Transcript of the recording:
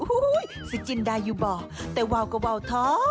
อุ๊ยซิจินได้อยู่บ่แต่ว่าก็ว่าวท้อ